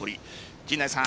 陣内さん